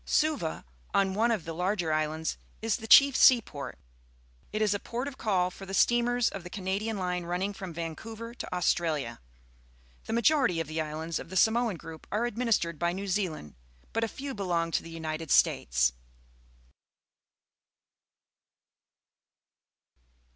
Suva, on one of the larger islands, is the chief seaport. It is a port of call for the steamers of the Canadian line running from \'ancouver to Australia. The majority of the islands of the Samoan group are administered by New Zealand, but a few belong to the United States.